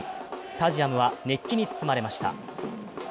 スタジアムは熱気に包まれました。